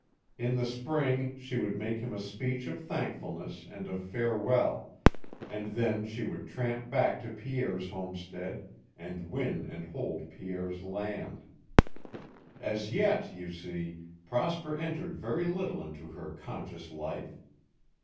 In the spring she would make him a speech of thankfulness and of farewell, and then she would tramp back to Pierre's homestead and win and hold Pierre's land. As yet, you see, Prosper entered very little into her conscious life.